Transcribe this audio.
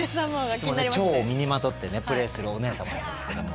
蝶を身にまとってプレーするお姉様なんですけども。